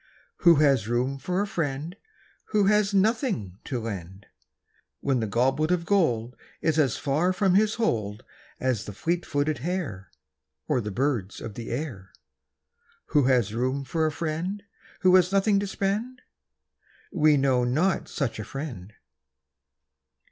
Who has room for a friend Who has nothing to lend, When the goblet of gold Is as far from his hold As the fleet footed hare, Or the birds of the air. Who has room for a friend Who has nothing to spend? We know not such a friend.